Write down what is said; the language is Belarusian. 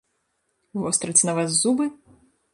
Востраць на вас зубы?